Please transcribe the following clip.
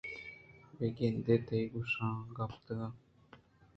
بہ گندے تئی گوشاں کپتگ